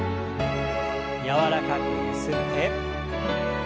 柔らかくゆすって。